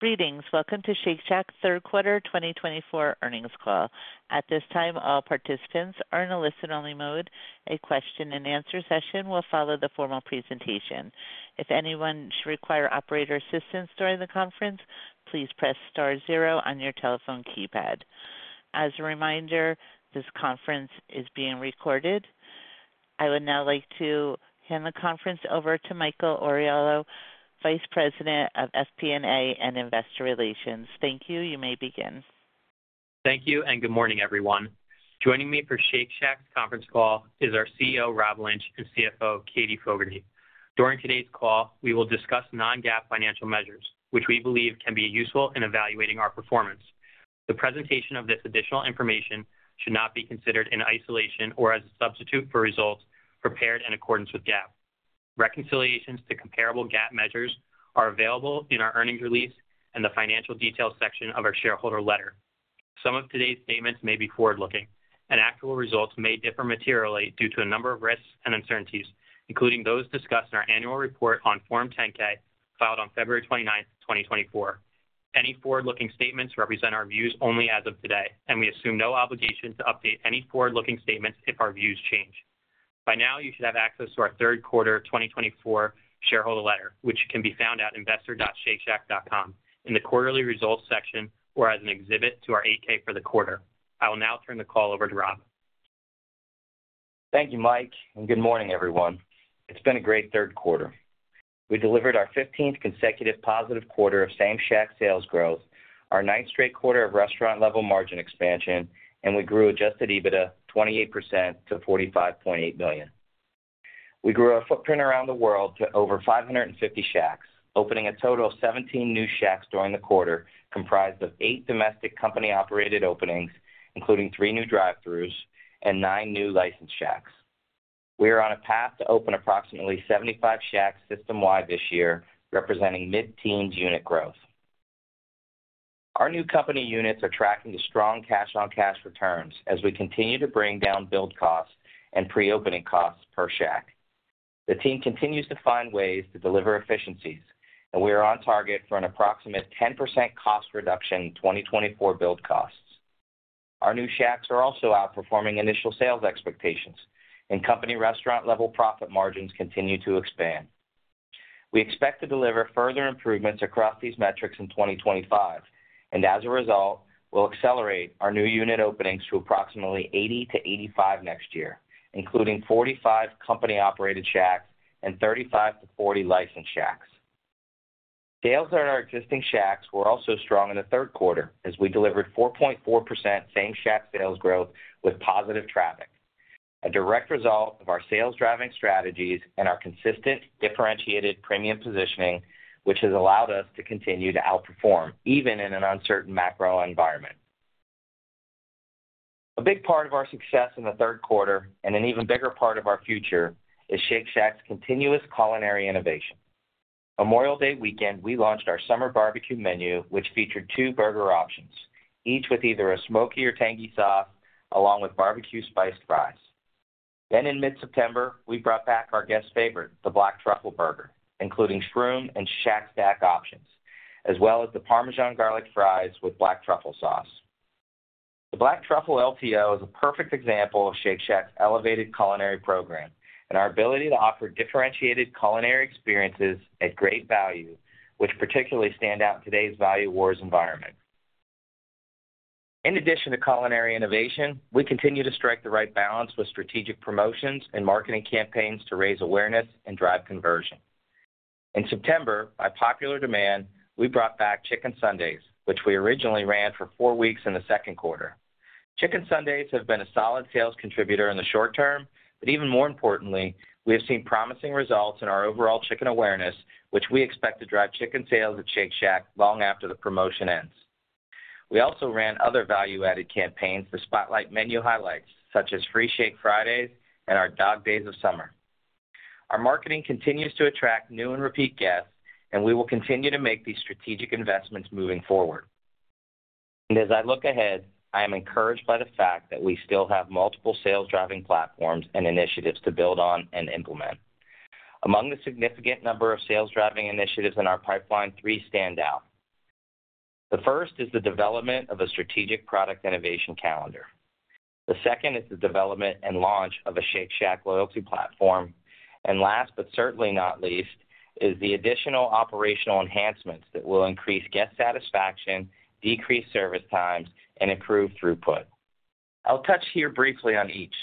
Greetings. Welcome to Shake Shack Q3 2024 earnings call. At this time, all participants are in a listen-only mode. A question-and-answer session will follow the formal presentation. If anyone should require operator assistance during the conference, please press star zero on your telephone keypad. As a reminder, this conference is being recorded. I would now like to hand the conference over to Michael Oriolo, Vice President of FP&A and Investor Relations. Thank you. You may begin. Thank you, and good morning, everyone. Joining me for Shake Shack's conference call is our CEO, Rob Lynch, and CFO, Katie Fogertey. During today's call, we will discuss non-GAAP financial measures, which we believe can be useful in evaluating our performance. The presentation of this additional information should not be considered in isolation or as a substitute for results prepared in accordance with GAAP. Reconciliations to comparable GAAP measures are available in our earnings release and the financial details section of our shareholder letter. Some of today's statements may be forward-looking, and actual results may differ materially due to a number of risks and uncertainties, including those discussed in our annual report on Form 10-K filed on February 29, 2024. Any forward-looking statements represent our views only as of today, and we assume no obligation to update any forward-looking statements if our views change. By now, you should have access to our Q3 2024 shareholder letter, which can be found at investor.shakeshack.com in the quarterly results section or as an exhibit to our 8-K for the quarter. I will now turn the call over to Rob. Thank you, Mike, and good morning, everyone. It's been a great Q3. We delivered our 15th consecutive positive quarter of same-shack sales growth, our ninth straight quarter of restaurant-level margin expansion, and we grew Adjusted EBITDA 28% to $45.8 million. We grew our footprint around the world to over 550 shacks, opening a total of 17 new shacks during the quarter, comprised of eight domestic company-operated openings, including three new drive-thrus and nine new licensed shacks. We are on a path to open approximately 75 shacks system-wide this year, representing mid-teens unit growth. Our new company units are tracking strong cash-on-cash returns as we continue to bring down build costs and pre-opening costs per shack. The team continues to find ways to deliver efficiencies, and we are on target for an approximate 10% cost reduction in 2024 build costs. Our new shacks are also outperforming initial sales expectations, and company restaurant-level profit margins continue to expand. We expect to deliver further improvements across these metrics in 2025, and as a result, we'll accelerate our new unit openings to approximately 80 to 85 next year, including 45 company-operated shacks and 35 to 40 licensed shacks. Sales at our existing shacks were also strong in Q3 as we delivered 4.4% same-shack sales growth with positive traffic, a direct result of our sales-driving strategies and our consistent differentiated premium positioning, which has allowed us to continue to outperform even in an uncertain macro environment. A big part of our success in the Q3, and an even bigger part of our future, is Shake Shack's continuous culinary innovation. Memorial Day weekend, we launched our Summer Barbecue Menu, which featured two burger options, each with either a smoky or tangy sauce, along with Barbecue Spiced Fries. Then, in mid-September, we brought back our guest favorite, the Black Truffle Burger, including 'Shroom and Shack Stack options, as well as the Parmesan Garlic Fries with Black Truffle Sauce. The Black Truffle LTO is a perfect example of Shake Shack's elevated culinary program and our ability to offer differentiated culinary experiences at great value, which particularly stand out in today's value wars environment. In addition to culinary innovation, we continue to strike the right balance with strategic promotions and marketing campaigns to raise awareness and drive conversion. In September, by popular demand, we brought back Chicken Sundays, which we originally ran for four weeks in Q2. Chicken Sundays have been a solid sales contributor in the short term, but even more importantly, we have seen promising results in our overall chicken awareness, which we expect to drive chicken sales at Shake Shack long after the promotion ends. We also ran other value-added campaigns to spotlight menu highlights, such as Free Shake Fridays and our Dog Days of Summer. Our marketing continues to attract new and repeat guests, and we will continue to make these strategic investments moving forward. And as I look ahead, I am encouraged by the fact that we still have multiple sales-driving platforms and initiatives to build on and implement. Among the significant number of sales-driving initiatives in our pipeline, three stand out. The first is the development of a strategic product innovation calendar. The second is the development and launch of a Shake Shack loyalty platform. And last, but certainly not least, is the additional operational enhancements that will increase guest satisfaction, decrease service times, and improve throughput. I'll touch here briefly on each.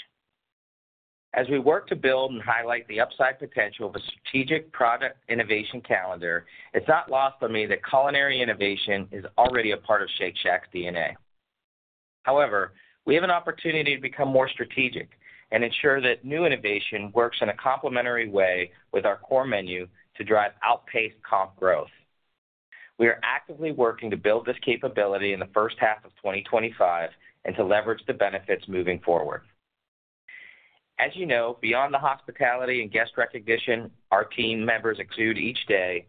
As we work to build and highlight the upside potential of a strategic product innovation calendar, it's not lost on me that culinary innovation is already a part of Shake Shack's DNA. However, we have an opportunity to become more strategic and ensure that new innovation works in a complementary way with our core menu to drive outpaced comp growth. We are actively working to build this capability in the first half of 2025 and to leverage the benefits moving forward. As you know, beyond the hospitality and guest recognition our team members exude each day,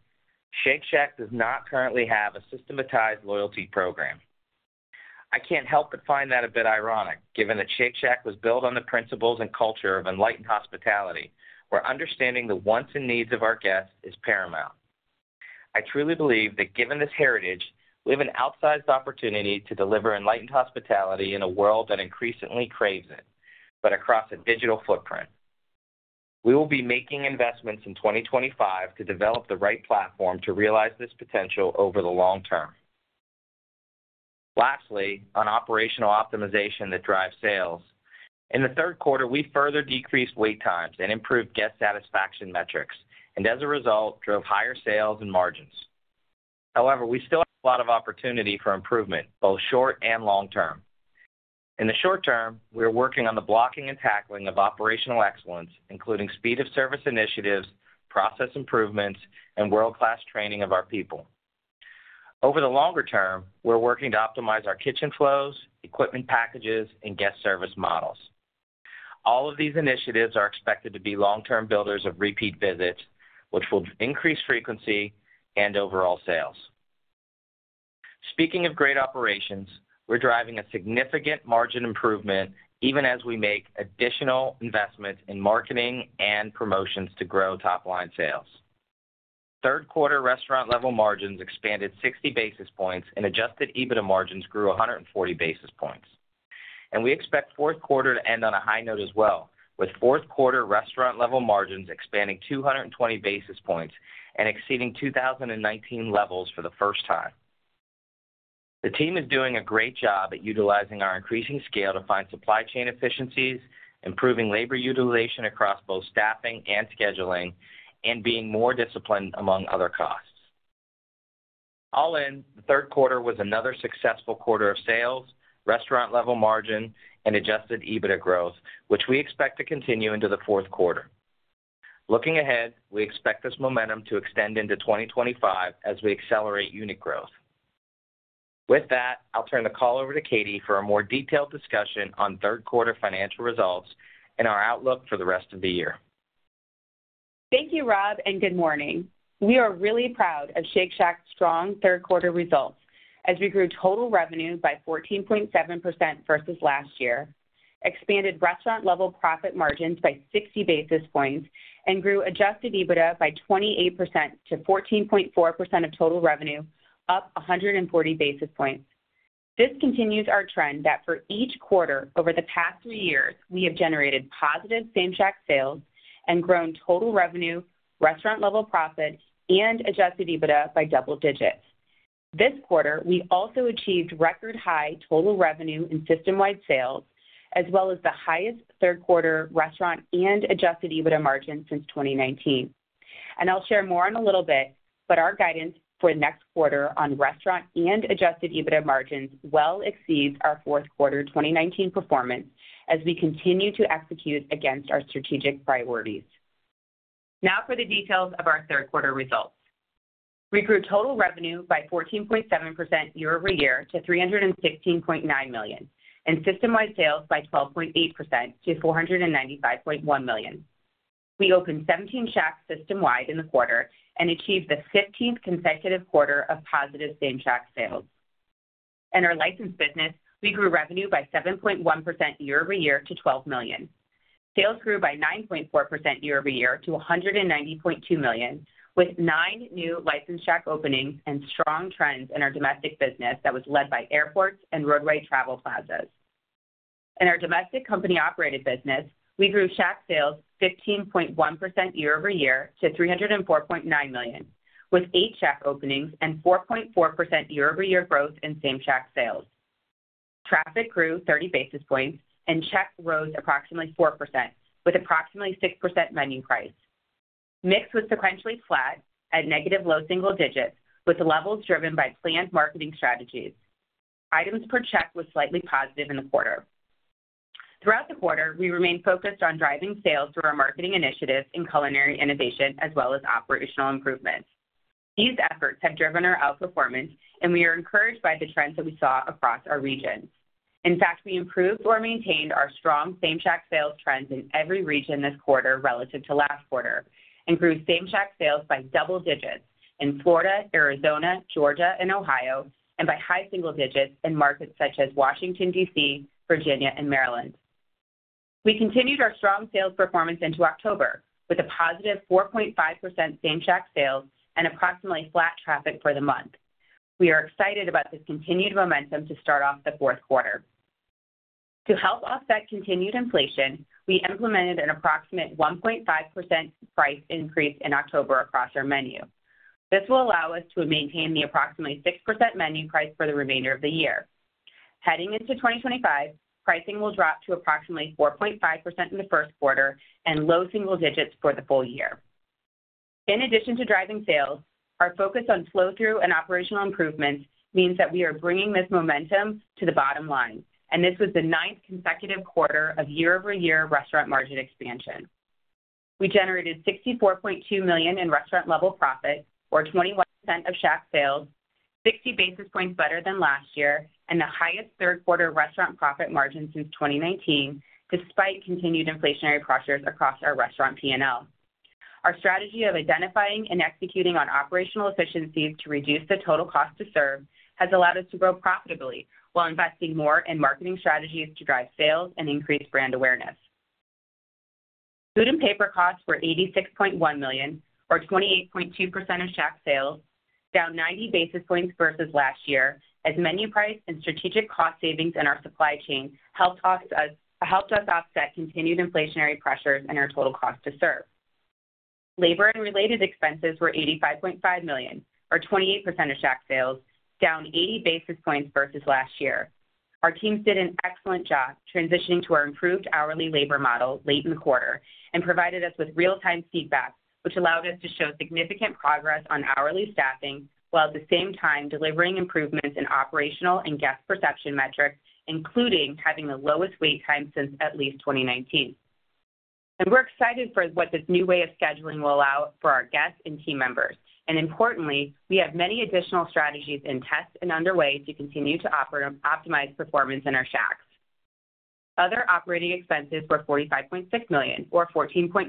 Shake Shack does not currently have a systematized loyalty program. I can't help but find that a bit ironic, given that Shake Shack was built on the principles and culture of enlightened hospitality, where understanding the wants and needs of our guests is paramount. I truly believe that given this heritage, we have an outsized opportunity to deliver enlightened hospitality in a world that increasingly craves it, but across a digital footprint. We will be making investments in 2025 to develop the right platform to realize this potential over the long term. Lastly, on operational optimization that drives sales, in Q3, we further decreased wait times and improved guest satisfaction metrics, and as a result, drove higher sales and margins. However, we still have a lot of opportunity for improvement, both short and long term. In the short term, we are working on the blocking and tackling of operational excellence, including speed of service initiatives, process improvements, and world-class training of our people. Over the longer term, we're working to optimize our kitchen flows, equipment packages, and guest service models. All of these initiatives are expected to be long-term builders of repeat visits, which will increase frequency and overall sales. Speaking of great operations, we're driving a significant margin improvement even as we make additional investments in marketing and promotions to grow top-line sales. Q3 restaurant-level margins expanded 60 basis points, and adjusted EBITDA margins grew 140 basis points. And we expect Q4 to end on a high note as well, with Q4 restaurant-level margins expanding 220 basis points and exceeding 2019 levels for the first time. The team is doing a great job at utilizing our increasing scale to find supply chain efficiencies, improving labor utilization across both staffing and scheduling, and being more disciplined among other costs. All in, Q3 was another successful quarter of sales, restaurant-level margin, and Adjusted EBITDA growth, which we expect to continue into Q4. Looking ahead, we expect this momentum to extend into 2025 as we accelerate unit growth. With that, I'll turn the call over to Katie for a more detailed discussion on Q3 financial results and our outlook for the rest of the year. Thank you, Rob, and good morning. We are really proud of Shake Shack's strong Q3 results as we grew total revenue by 14.7% versus last year, expanded restaurant-level profit margins by 60 basis points, and grew adjusted EBITDA by 28% to 14.4% of total revenue, up 140 basis points. This continues our trend that for each quarter over the past three years, we have generated positive same-shack sales and grown total revenue, restaurant-level profit, and adjusted EBITDA by double digits. This quarter, we also achieved record-high total revenue in system-wide sales, as well as the highest Q3 restaurant and adjusted EBITDA margin since 2019. And I'll share more in a little bit, but our guidance for next quarter on restaurant and adjusted EBITDA margins well exceeds our Q4 2019 performance as we continue to execute against our strategic priorities. Now for the details of our Q3 results. We grew total revenue by 14.7% year over year to $316.9 million, and system-wide sales by 12.8% to $495.1 million. We opened 17 shacks system-wide in the quarter and achieved the 15th consecutive quarter of positive same-shack sales. In our licensed business, we grew revenue by 7.1% year over year to $12 million. Sales grew by 9.4% year over year to $190.2 million, with nine new licensed shack openings and strong trends in our domestic business that was led by airports and roadway travel plazas. In our domestic company-operated business, we grew shack sales 15.1% year over year to $304.9 million, with eight shack openings and 4.4% year-over-year growth in same-shack sales. Traffic grew 30 basis points, and check rose approximately 4%, with approximately 6% menu price. Mix was sequentially flat at negative low single digits, with levels driven by planned marketing strategies. Items per check was slightly positive in the quarter. Throughout the quarter, we remained focused on driving sales through our marketing initiatives and culinary innovation, as well as operational improvements. These efforts have driven our outperformance, and we are encouraged by the trends that we saw across our region. In fact, we improved or maintained our strong same-shack sales trends in every region this quarter relative to last quarter and grew same-shack sales by double digits in Florida, Arizona, Georgia, and Ohio, and by high single digits in markets such as Washington, D.C., Virginia, and Maryland. We continued our strong sales performance into October, with a positive 4.5% same-shack sales and approximately flat traffic for the month. We are excited about this continued momentum to start off the Q4. To help offset continued inflation, we implemented an approximate 1.5% price increase in October across our menu. This will allow us to maintain the approximately 6% menu price for the remainder of the year. Heading into 2025, pricing will drop to approximately 4.5% in the Q1 and low single digits for the full year. In addition to driving sales, our focus on flow-through and operational improvements means that we are bringing this momentum to the bottom line, and this was the ninth consecutive quarter of year-over-year restaurant margin expansion. We generated $64.2 million in restaurant-level profit, or 21% of Shack sales, 60 basis points better than last year, and the highest Q3 restaurant profit margin since 2019, despite continued inflationary pressures across our restaurant P&L. Our strategy of identifying and executing on operational efficiencies to reduce the total cost to serve has allowed us to grow profitably while investing more in marketing strategies to drive sales and increase brand awareness. Food and paper costs were $86.1 million, or 28.2% of shack sales, down 90 basis points versus last year, as menu price and strategic cost savings in our supply chain helped us offset continued inflationary pressures in our total cost to serve. Labor and related expenses were $85.5 million, or 28% of shack sales, down 80 basis points versus last year. Our team did an excellent job transitioning to our improved hourly labor model late in the quarter and provided us with real-time feedback, which allowed us to show significant progress on hourly staffing while at the same time delivering improvements in operational and guest perception metrics, including having the lowest wait time since at least 2019. And we're excited for what this new way of scheduling will allow for our guests and team members. Importantly, we have many additional strategies in test and underway to continue to optimize performance in our shacks. Other operating expenses were $45.6 million, or 14.9%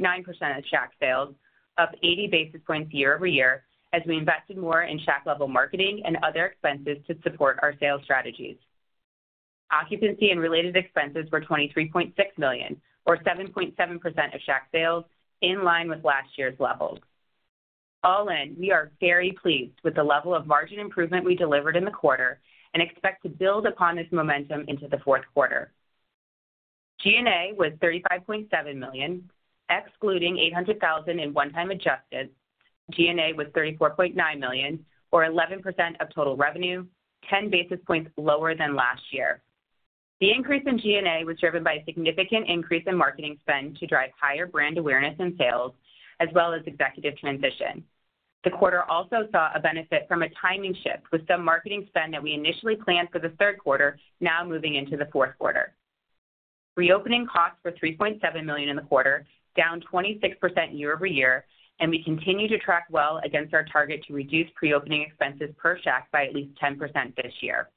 of shack sales, up 80 basis points year over year as we invested more in shack-level marketing and other expenses to support our sales strategies. Occupancy and related expenses were $23.6 million, or 7.7% of shack sales, in line with last year's levels. All in, we are very pleased with the level of margin improvement we delivered in the quarter and expect to build upon this momentum into Q4. G&A was $35.7 million, excluding $800,000 in one-time adjusted. G&A was $34.9 million, or 11% of total revenue, 10 basis points lower than last year. The increase in G&A was driven by a significant increase in marketing spend to drive higher brand awareness and sales, as well as executive transition. The quarter also saw a benefit from a timing shift, with some marketing spend that we initially planned for Q3 now moving into Q4. Reopening costs were $3.7 million in the quarter, down 26% year over year, and we continue to track well against our target to reduce pre-opening expenses per shack by at least 10% this year.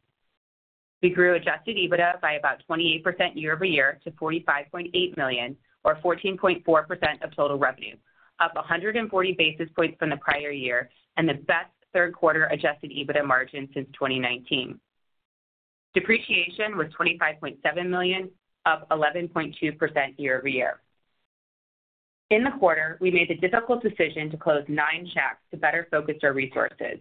We grew Adjusted EBITDA by about 28% year over year to $45.8 million, or 14.4% of total revenue, up 140 basis points from the prior year and the best Q3 Adjusted EBITDA margin since 2019. Depreciation was $25.7 million, up 11.2% year over year. In the quarter, we made the difficult decision to close nine shacks to better focus our resources.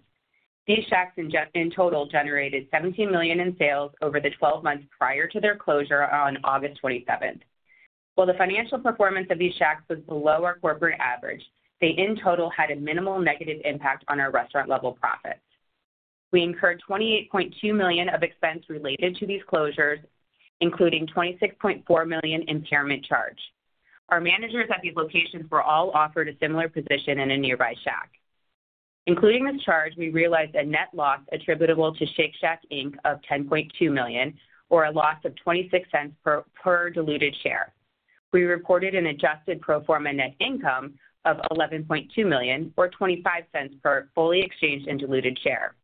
These shacks in total generated $17 million in sales over the 12 months prior to their closure on August 27. While the financial performance of these shacks was below our corporate average, they in total had a minimal negative impact on our restaurant-level profits. We incurred $28.2 million of expense related to these closures, including $26.4 million impairment charge. Our managers at these locations were all offered a similar position in a nearby shack. Including this charge, we realized a net loss attributable to Shake Shack Inc. of $10.2 million, or a loss of $0.26 per diluted share. We reported an adjusted pro forma net income of $11.2 million, or $0.25 per fully exchanged and diluted share.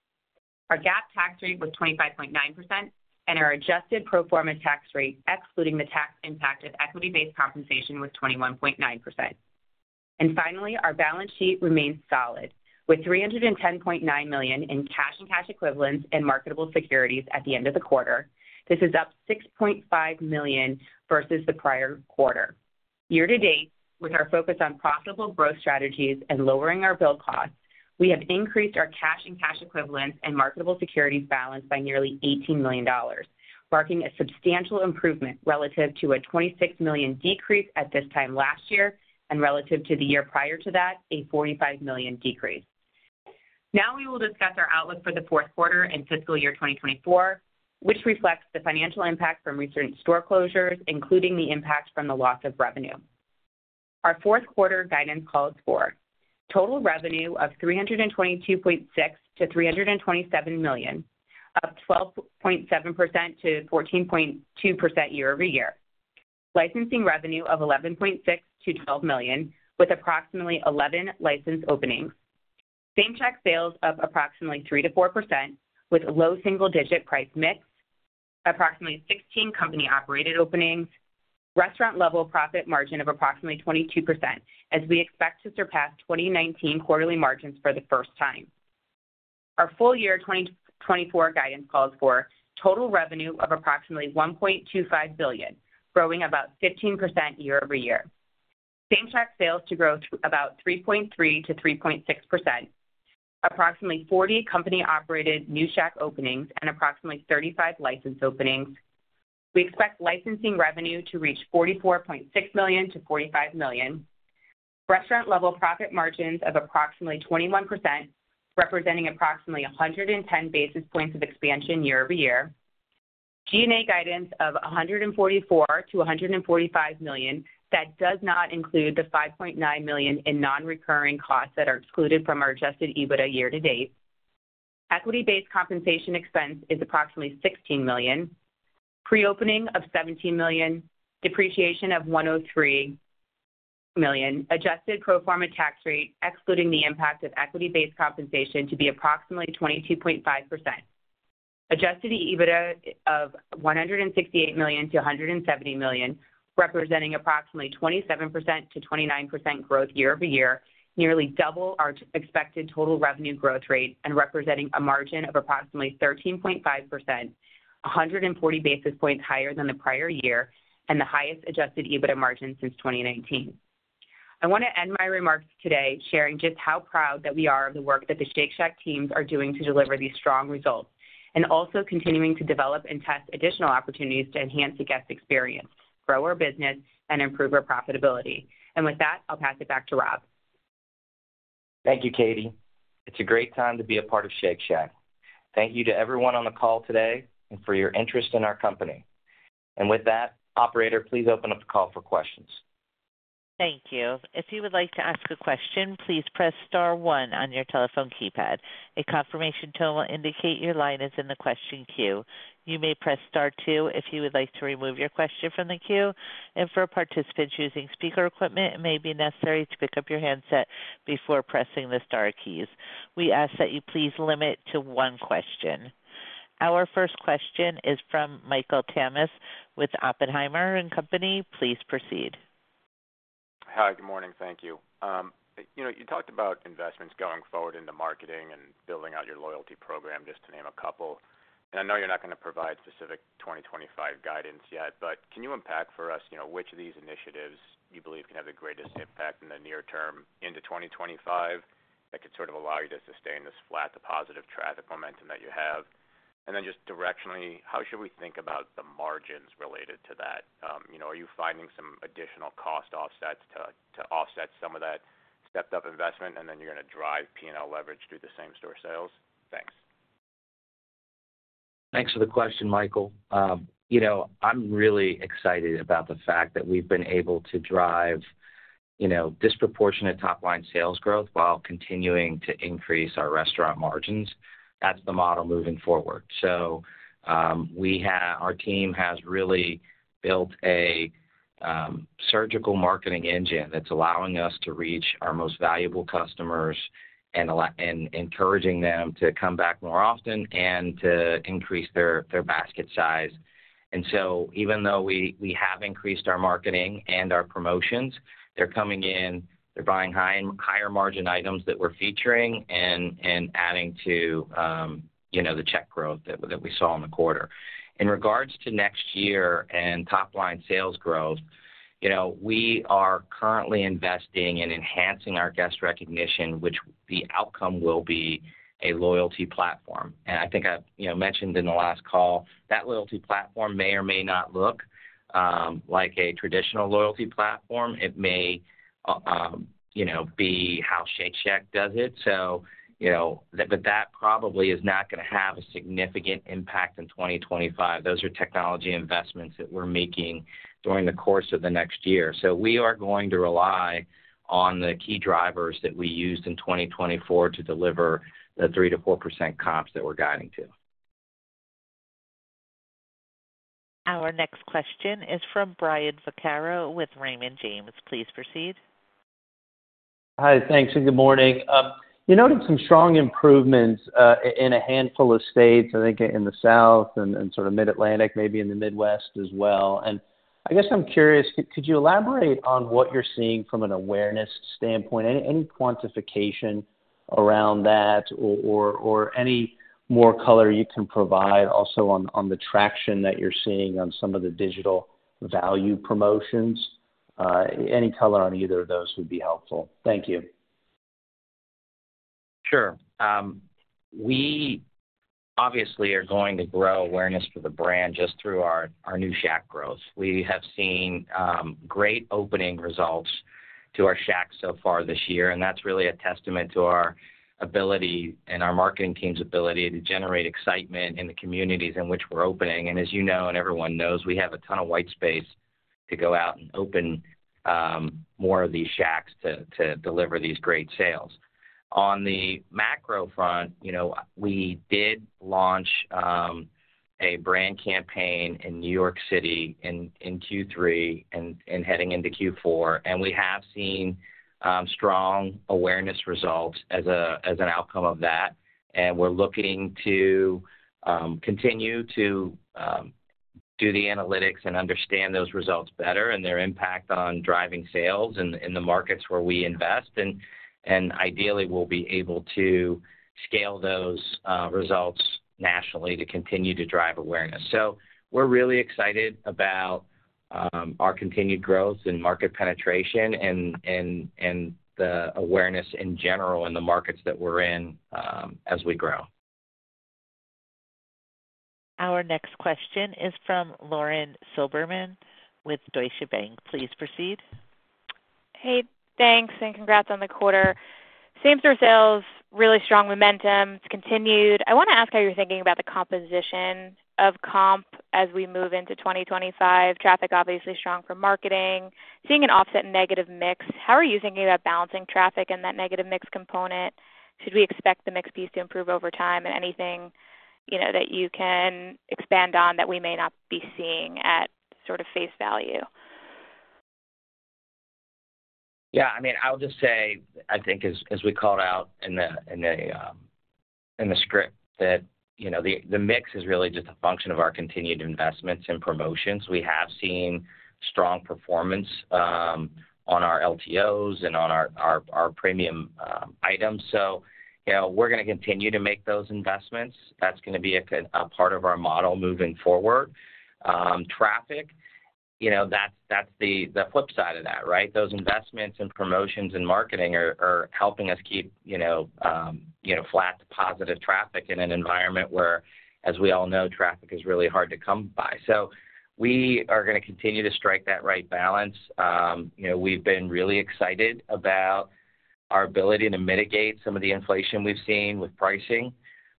Our GAAP tax rate was 25.9%, and our adjusted pro forma tax rate, excluding the tax impact of equity-based compensation, was 21.9%. And finally, our balance sheet remains solid, with $310.9 million in cash and cash equivalents and marketable securities at the end of the quarter. This is up $6.5 million versus the prior quarter. Year to date, with our focus on profitable growth strategies and lowering our build costs, we have increased our cash and cash equivalents and marketable securities balance by nearly $18 million, marking a substantial improvement relative to a $26 million decrease at this time last year and relative to the year prior to that, a $45 million decrease. Now we will discuss our outlook for Q4 and fiscal year 2024, which reflects the financial impact from recent store closures, including the impact from the loss of revenue. Our Q4 guidance calls for total revenue of $322.6-$327 million, up 12.7%-14.2% year over year. Licensing revenue of $11.6-$12 million, with approximately 11 license openings. Same-Shack sales of approximately 3%-4%, with low single-digit price mix, approximately 16 company-operated openings, restaurant-level profit margin of approximately 22%, as we expect to surpass 2019 quarterly margins for the first time. Our full year 2024 guidance calls for total revenue of approximately $1.25 billion, growing about 15% year over year. Same-Shack sales growth about 3.3%-3.6%, approximately 40 company-operated new Shack openings, and approximately 35 licensed openings. We expect licensing revenue to reach $44.6-$45 million. Restaurant-level profit margins of approximately 21%, representing approximately 110 basis points of expansion year over year. G&A guidance of $144-$145 million. That does not include the $5.9 million in non-recurring costs that are excluded from our Adjusted EBITDA year to date. Equity-Based Compensation expense is approximately $16 million. Pre-opening of $17 million. Depreciation of $103 million. Adjusted pro forma tax rate, excluding the impact of equity-based compensation, to be approximately 22.5%. Adjusted EBITDA of $168 million-$170 million, representing approximately 27%-29% growth year over year, nearly double our expected total revenue growth rate and representing a margin of approximately 13.5%, 140 basis points higher than the prior year and the highest adjusted EBITDA margin since 2019. I want to end my remarks today sharing just how proud that we are of the work that the Shake Shack teams are doing to deliver these strong results and also continuing to develop and test additional opportunities to enhance the guest experience, grow our business, and improve our profitability. And with that, I'll pass it back to Rob. Thank you, Katie. It's a great time to be a part of Shake Shack. Thank you to everyone on the call today and for your interest in our company. And with that, Operator, please open up the call for questions. Thank you. If you would like to ask a question, please press Star 1 on your telephone keypad. A confirmation tone will indicate your line is in the question queue. You may press Star 2 if you would like to remove your question from the queue. And for participants using speaker equipment, it may be necessary to pick up your handset before pressing the Star keys. We ask that you please limit to one question. Our first question is from Michael Tamas with Oppenheimer & Co. Please proceed. Hi, good morning. Thank you. You talked about investments going forward into marketing and building out your loyalty program, just to name a couple. I know you're not going to provide specific 2025 guidance yet, but can you unpack for us which of these initiatives you believe can have the greatest impact in the near term into 2025 that could sort of allow you to sustain this flat to positive traffic momentum that you have? And then just directionally, how should we think about the margins related to that? Are you finding some additional cost offsets to offset some of that stepped-up investment, and then you're going to drive P&L leverage through the same-shack sales? Thanks. Thanks for the question, Michael. I'm really excited about the fact that we've been able to drive disproportionate top-line sales growth while continuing to increase our restaurant margins. That's the model moving forward. Our team has really built a surgical marketing engine that's allowing us to reach our most valuable customers and encouraging them to come back more often and to increase their basket size. Even though we have increased our marketing and our promotions, they're coming in. They're buying higher margin items that we're featuring and adding to the check growth that we saw in the quarter. In regards to next year and top-line sales growth, we are currently investing in enhancing our guest recognition, which the outcome will be a loyalty platform. I think I mentioned in the last call, that loyalty platform may or may not look like a traditional loyalty platform. It may be how Shake Shack does it. That probably is not going to have a significant impact in 2025. Those are technology investments that we're making during the course of the next year. So we are going to rely on the key drivers that we used in 2024 to deliver the 3%-4% comps that we're guiding to. Our next question is from Brian Vaccaro with Raymond James. Please proceed. Hi, thanks, and good morning. You noted some strong improvements in a handful of states, I think in the South and sort of Mid-Atlantic, maybe in the Midwest as well. And I guess I'm curious, could you elaborate on what you're seeing from an awareness standpoint? Any quantification around that or any more color you can provide also on the traction that you're seeing on some of the digital value promotions? Any color on either of those would be helpful. Thank you. Sure. We obviously are going to grow awareness for the brand just through our new Shack growth. We have seen great opening results to our Shacks so far this year, and that's really a testament to our ability and our marketing team's ability to generate excitement in the communities in which we're opening. And as you know and everyone knows, we have a ton of white space to go out and open more of these Shacks to deliver these great sales. On the macro front, we did launch a brand campaign in New York City in Q3 and heading into Q4, and we have seen strong awareness results as an outcome of that. And we're looking to continue to do the analytics and understand those results better and their impact on driving sales in the markets where we invest. And ideally, we'll be able to scale those results nationally to continue to drive awareness. So we're really excited about our continued growth and market penetration and the awareness in general in the markets that we're in as we grow. Our next question is from Lauren Silberman with Deutsche Bank. Please proceed. Hey, thanks, and congrats on the quarter. Same-Shack sales, really strong momentum. It's continued. I want to ask how you're thinking about the composition of comp as we move into 2025. Traffic, obviously, strong for marketing. Seeing an offset negative mix. How are you thinking about balancing traffic and that negative mix component? Should we expect the mix piece to improve over time? And anything that you can expand on that we may not be seeing at sort of face value? Yeah. I mean, I'll just say, I think as we called out in the script, that the mix is really just a function of our continued investments and promotions. We have seen strong performance on our LTOs and on our premium items. So we're going to continue to make those investments. That's going to be a part of our model moving forward. Traffic, that's the flip side of that, right? Those investments and promotions and marketing are helping us keep flat, positive traffic in an environment where, as we all know, traffic is really hard to come by. So we are going to continue to strike that right balance. We've been really excited about our ability to mitigate some of the inflation we've seen with pricing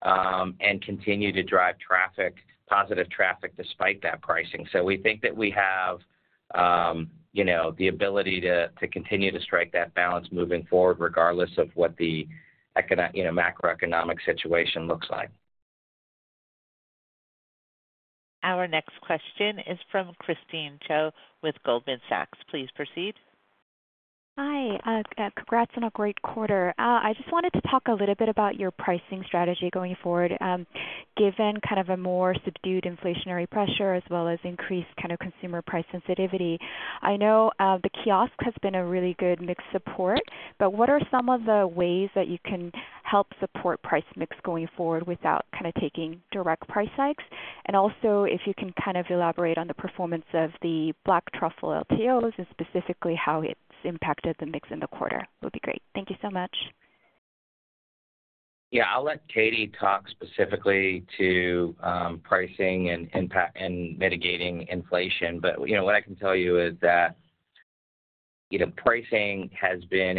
and continue to drive positive traffic despite that pricing. So we think that we have the ability to continue to strike that balance moving forward regardless of what the macroeconomic situation looks like. Our next question is from Christine Cho with Goldman Sachs. Please proceed. Hi. Congrats on a great quarter. I just wanted to talk a little bit about your pricing strategy going forward, given kind of a more subdued inflationary pressure as well as increased kind of consumer price sensitivity. I know the kiosk has been a really good mix support, but what are some of the ways that you can help support price mix going forward without kind of taking direct price hikes? And also, if you can kind of elaborate on the performance of the Black Truffle LTOs and specifically how it's impacted the mix in the quarter, would be great. Thank you so much. Yeah. I'll let Katie talk specifically to pricing and mitigating inflation. But what I can tell you is that pricing has been,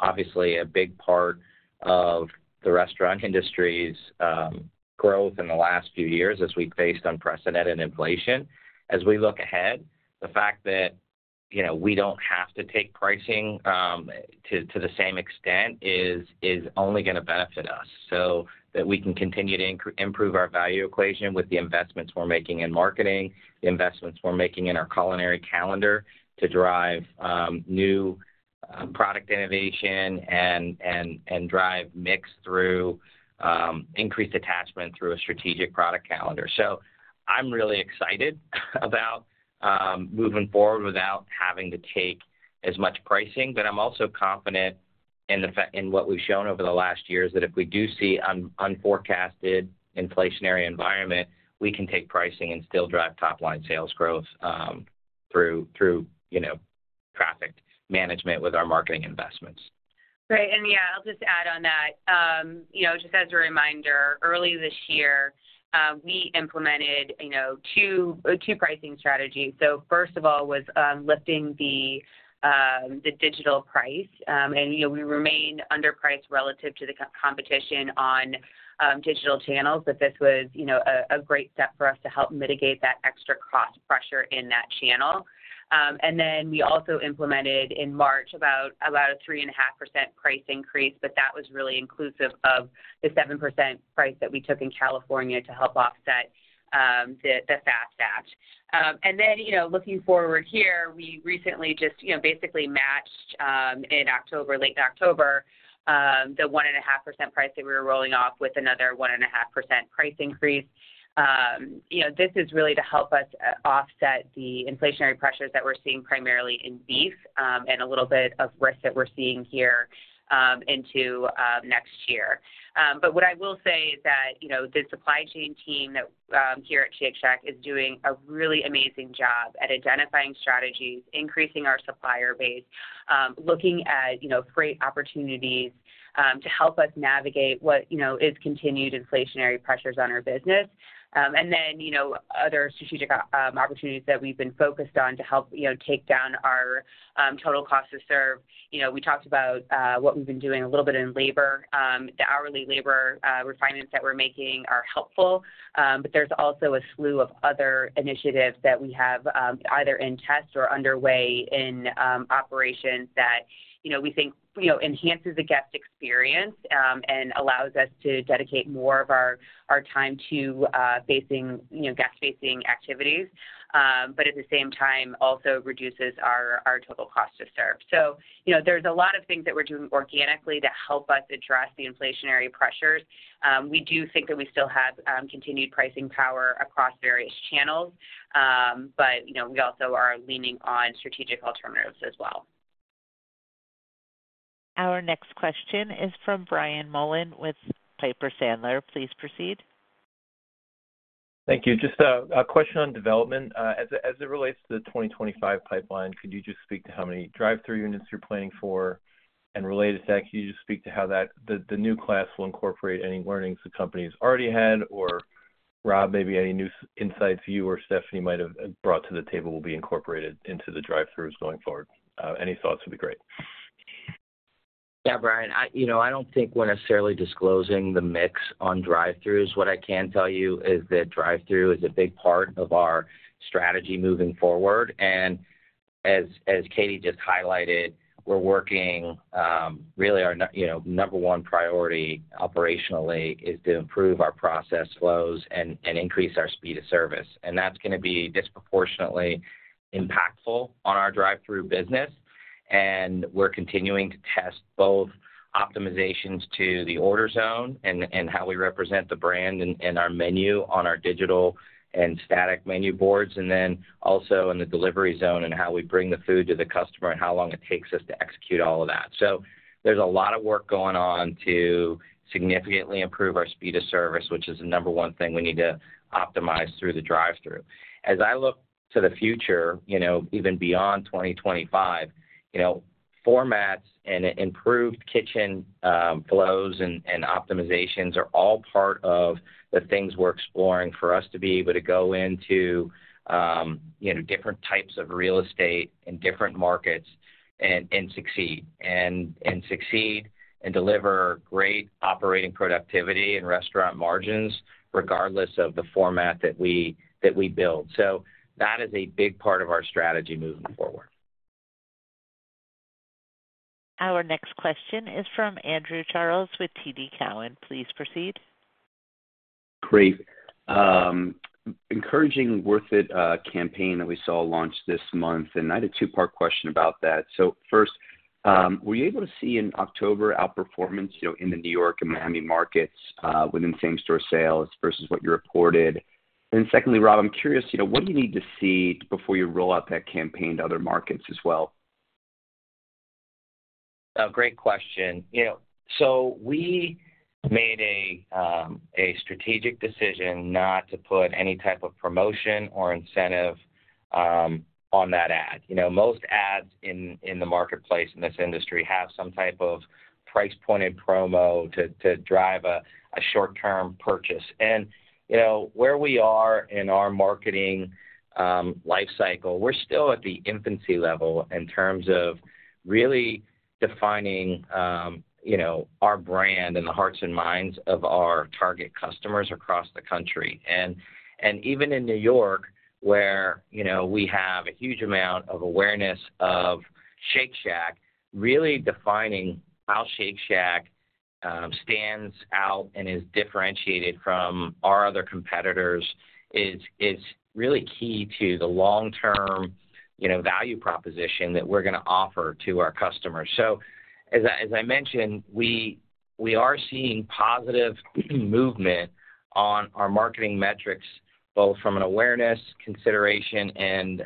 obviously, a big part of the restaurant industry's growth in the last few years as we faced unprecedented inflation. As we look ahead, the fact that we don't have to take pricing to the same extent is only going to benefit us, so that we can continue to improve our value equation with the investments we're making in marketing, the investments we're making in our culinary calendar to drive new product innovation and drive mix through increased attachment through a strategic product calendar. So I'm really excited about moving forward without having to take as much pricing. But I'm also confident in what we've shown over the last years that if we do see an unforecasted inflationary environment, we can take pricing and still drive top-line sales growth through traffic management with our marketing investments. Right. And yeah, I'll just add on that. Just as a reminder, early this year, we implemented two pricing strategies. So first of all was lifting the digital price. And we remain underpriced relative to the competition on digital channels, but this was a great step for us to help mitigate that extra cost pressure in that channel. And then we also implemented in March about a 3.5% price increase, but that was really inclusive of the 7% price that we took in California to help offset the FAST Act. And then looking forward here, we recently just basically matched in late October the 1.5% price that we were rolling off with another 1.5% price increase. This is really to help us offset the inflationary pressures that we're seeing primarily in beef and a little bit of risk that we're seeing here into next year. But what I will say is that the supply chain team here at Shake Shack is doing a really amazing job at identifying strategies, increasing our supplier base, looking at great opportunities to help us navigate what is continued inflationary pressures on our business, and then other strategic opportunities that we've been focused on to help take down our total cost to serve. We talked about what we've been doing a little bit in labor. The hourly labor refinements that we're making are helpful, but there's also a slew of other initiatives that we have either in test or underway in operations that we think enhances the guest experience and allows us to dedicate more of our time to guest-facing activities, but at the same time also reduces our total cost to serve. So there's a lot of things that we're doing organically to help us address the inflationary pressures. We do think that we still have continued pricing power across various channels, but we also are leaning on strategic alternatives as well. Our next question is from Brian Mullan with Piper Sandler. Please proceed. Thank you. Just a question on development. As it relates to the 2025 pipeline, could you just speak to how many drive-through units you're planning for? And related to that, could you just speak to how the new class will incorporate any learnings the company has already had? Or, Rob, maybe any new insights you or Stephanie might have brought to the table will be incorporated into the drive-throughs going forward? Any thoughts would be great. Yeah, Brian, I don't think we're necessarily disclosing the mix on drive-throughs. What I can tell you is that drive-through is a big part of our strategy moving forward. And as Katie just highlighted, we're working really. Our number one priority operationally is to improve our process flows and increase our speed of service. And that's going to be disproportionately impactful on our drive-through business. We're continuing to test both optimizations to the order zone and how we represent the brand and our menu on our digital and static menu boards, and then also in the delivery zone and how we bring the food to the customer and how long it takes us to execute all of that. There's a lot of work going on to significantly improve our speed of service, which is the number one thing we need to optimize through the drive-through. As I look to the future, even beyond 2025, formats and improved kitchen flows and optimizations are all part of the things we're exploring for us to be able to go into different types of real estate in different markets and succeed and deliver great operating productivity and restaurant margins regardless of the format that we build. That is a big part of our strategy moving forward. Our next question is from Andrew Charles with TD Cowen. Please proceed. Great. Encouraging Worth It campaign that we saw launched this month. And I had a two-part question about that. So first, were you able to see in October outperformance in the New York and Miami markets within same-store sales versus what you reported? And secondly, Rob, I'm curious, what do you need to see before you roll out that campaign to other markets as well? Great question. So we made a strategic decision not to put any type of promotion or incentive on that ad. Most ads in the marketplace in this industry have some type of price-pointed promo to drive a short-term purchase. And where we are in our marketing lifecycle, we're still at the infancy level in terms of really defining our brand and the hearts and minds of our target customers across the country. And even in New York, where we have a huge amount of awareness of Shake Shack, really defining how Shake Shack stands out and is differentiated from our other competitors is really key to the long-term value proposition that we're going to offer to our customers. So as I mentioned, we are seeing positive movement on our marketing metrics, both from an awareness consideration and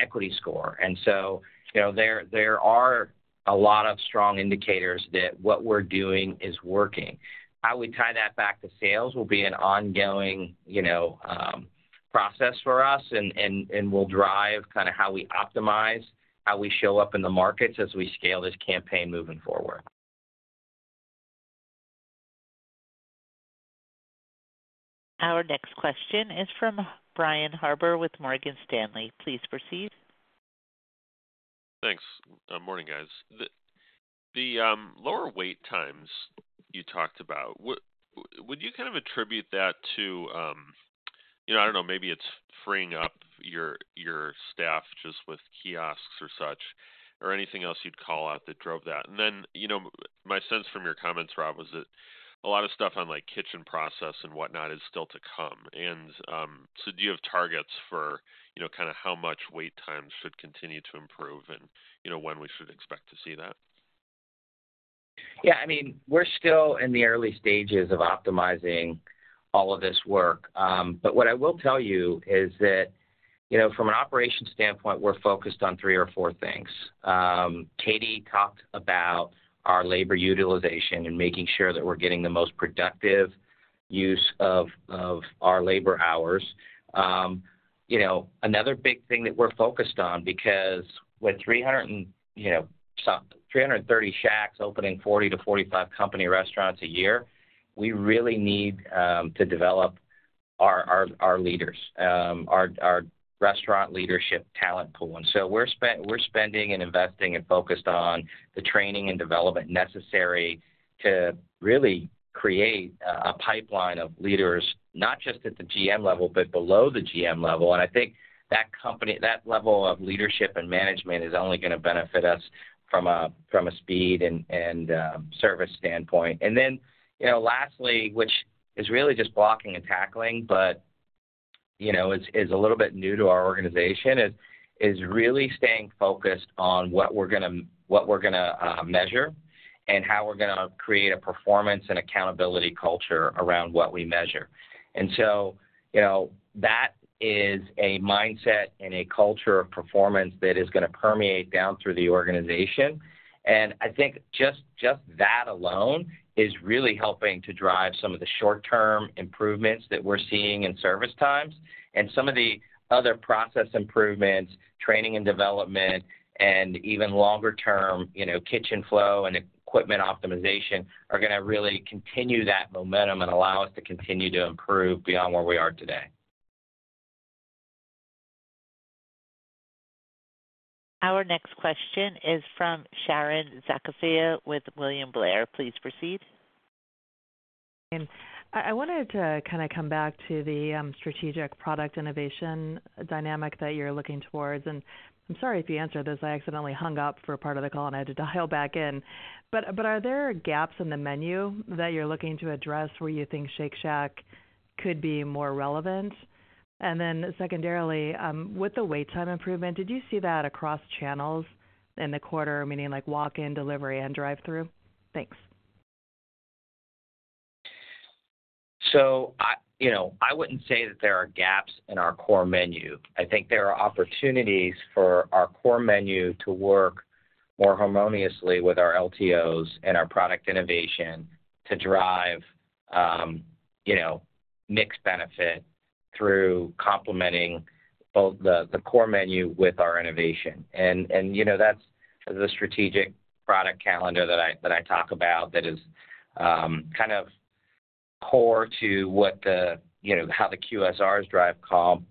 equity score. And so there are a lot of strong indicators that what we're doing is working. How we tie that back to sales will be an ongoing process for us, and we'll drive kind of how we optimize, how we show up in the markets as we scale this campaign moving forward. Our next question is from Brian Harbour with Morgan Stanley. Please proceed. Thanks. Morning, guys. The lower wait times you talked about, would you kind of attribute that to, I don't know, maybe it's freeing up your staff just with kiosks or such, or anything else you'd call out that drove that? And then my sense from your comments, Rob, was that a lot of stuff on kitchen process and whatnot is still to come. And so do you have targets for kind of how much wait times should continue to improve and when we should expect to see that? Yeah. I mean, we're still in the early stages of optimizing all of this work. But what I will tell you is that from an operations standpoint, we're focused on three or four things. Katie talked about our labor utilization and making sure that we're getting the most productive use of our labor hours. Another big thing that we're focused on, because with 330 shacks opening 40-45 company restaurants a year, we really need to develop our leaders, our restaurant leadership talent pool. And so we're spending and investing and focused on the training and development necessary to really create a pipeline of leaders, not just at the GM level, but below the GM level. And I think that level of leadership and management is only going to benefit us from a speed and service standpoint. And then lastly, which is really just blocking and tackling, but is a little bit new to our organization, is really staying focused on what we're going to measure and how we're going to create a performance and accountability culture around what we measure. And so that is a mindset and a culture of performance that is going to permeate down through the organization. I think just that alone is really helping to drive some of the short-term improvements that we're seeing in service times. And some of the other process improvements, training and development, and even longer-term kitchen flow and equipment optimization are going to really continue that momentum and allow us to continue to improve beyond where we are today. Our next question is from Sharon Zackfia with William Blair. Please proceed. I wanted to kind of come back to the strategic product innovation dynamic that you're looking towards. And I'm sorry if you answered this. I accidentally hung up for part of the call, and I had to dial back in. But are there gaps in the menu that you're looking to address where you think Shake Shack could be more relevant? And then secondarily, with the wait time improvement, did you see that across channels in the quarter, meaning walk-in, delivery, and drive-through? Thanks. So I wouldn't say that there are gaps in our core menu. I think there are opportunities for our core menu to work more harmoniously with our LTOs and our product innovation to drive mixed benefit through complementing both the core menu with our innovation. And that's the strategic product calendar that I talk about that is kind of core to how the QSRs drive comp,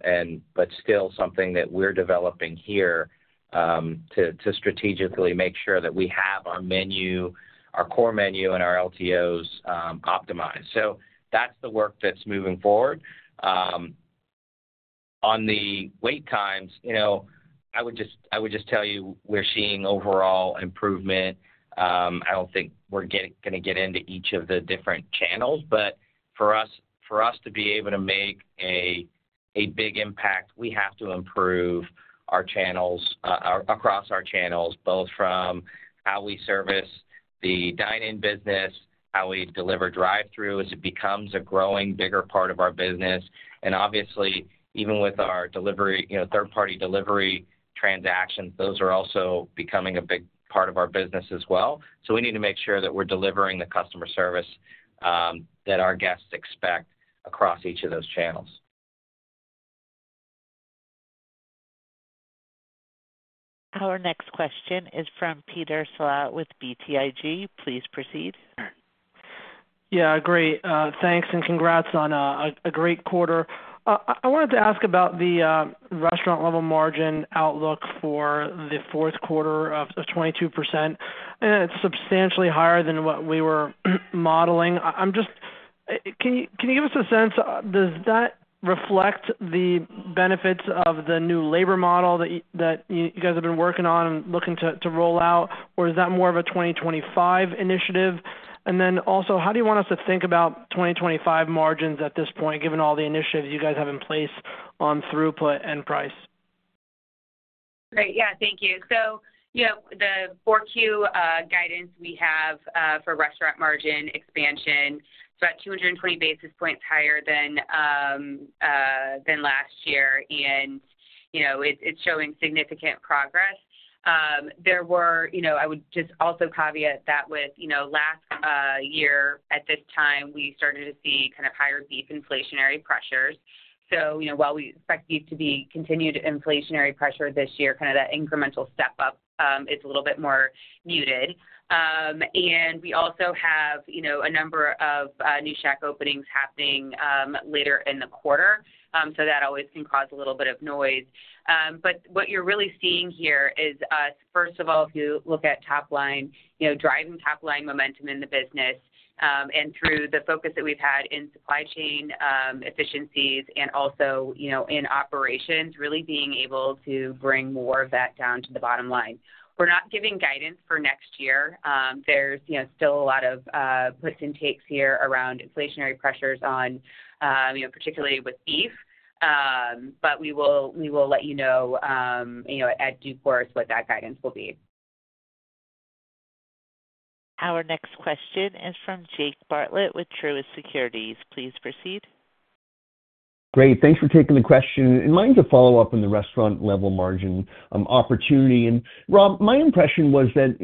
but still something that we're developing here to strategically make sure that we have our core menu and our LTOs optimized. So that's the work that's moving forward. On the wait times, I would just tell you we're seeing overall improvement. I don't think we're going to get into each of the different channels. But for us to be able to make a big impact, we have to improve across our channels, both from how we service the dine-in business, how we deliver drive-through as it becomes a growing bigger part of our business. And obviously, even with our third-party delivery transactions, those are also becoming a big part of our business as well. So we need to make sure that we're delivering the customer service that our guests expect across each of those channels. Our next question is from Peter Saleh with BTIG. Please proceed. Yeah, great. Thanks. And congrats on a great quarter. I wanted to ask about the restaurant-level margin outlook for the fourth quarter of 22%. And it's substantially higher than what we were modeling. Can you give us a sense? Does that reflect the benefits of the new labor model that you guys have been working on and looking to roll out? Or is that more of a 2025 initiative? And then also, how do you want us to think about 2025 margins at this point, given all the initiatives you guys have in place on throughput and price? Great. Yeah, thank you. So the 4Q guidance we have for restaurant margin expansion, it's about 220 basis points higher than last year, and it's showing significant progress. There were, I would just also caveat that with last year, at this time, we started to see kind of higher beef inflationary pressures. So while we expect beef to be continued inflationary pressure this year, kind of that incremental step up is a little bit more muted. And we also have a number of new shack openings happening later in the quarter. So that always can cause a little bit of noise. But what you're really seeing here is, first of all, if you look at top line, driving top line momentum in the business and through the focus that we've had in supply chain efficiencies and also in operations, really being able to bring more of that down to the bottom line. We're not giving guidance for next year. There's still a lot of puts and takes here around inflationary pressures on, particularly with beef. But we will let you know in due course what that guidance will be. Our next question is from Jake Bartlett with Truist Securities. Please proceed. Great. Thanks for taking the question. And I need to follow up on the restaurant-level margin opportunity. And Rob, my impression was that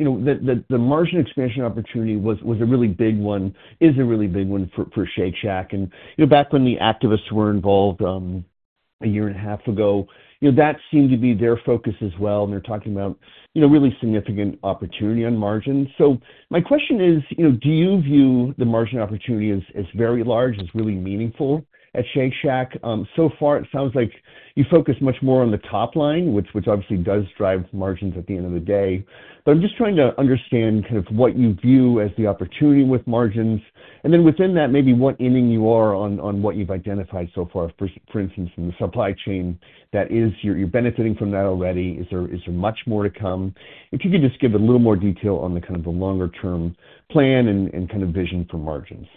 the margin expansion opportunity was a really big one, is a really big one for Shake Shack. And back when the activists were involved a year and a half ago, that seemed to be their focus as well. And they're talking about really significant opportunity on margins. So my question is, do you view the margin opportunity as very large, as really meaningful at Shake Shack? So far, it sounds like you focus much more on the top line, which obviously does drive margins at the end of the day. But I'm just trying to understand kind of what you view as the opportunity with margins. And then within that, maybe what inning you are on with what you've identified so far, for instance, in the supply chain that you're benefiting from already. Is there much more to come? If you could just give a little more detail on the kind of longer-term plan and kind of vision for margins.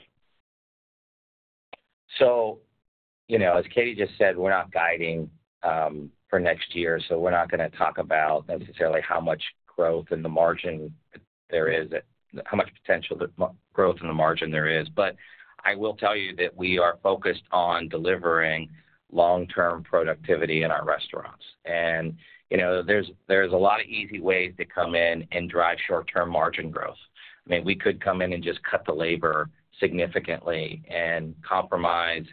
So as Katie just said, we're not guiding for next year. So we're not going to talk about necessarily how much growth in the margin there is, how much potential growth in the margin there is. But I will tell you that we are focused on delivering long-term productivity in our restaurants. And there's a lot of easy ways to come in and drive short-term margin growth. I mean, we could come in and just cut the labor significantly and compromise